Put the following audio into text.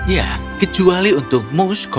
ya kecuali untuk musko